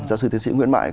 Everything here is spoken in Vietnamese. giáo sư tiến sĩ nguyễn mại